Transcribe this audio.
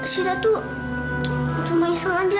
sita tuh cuma iseng aja